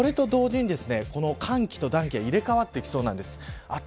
ただこれと同時に、寒気と暖気が入れ替わっていきそうなんです。